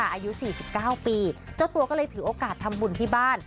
อายุ๔๙ปีเจ้าตัวก็เลยถือโอกาสทำบุญที่บ้าน